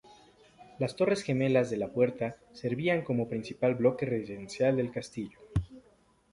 Las torres gemelas de la puerta servían como principal bloque residencial del castillo.